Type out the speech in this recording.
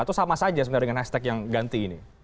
atau sama saja sebenarnya dengan hashtag yang ganti ini